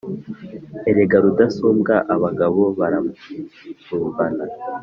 Erega Rudasumbwa abagabo barasumbana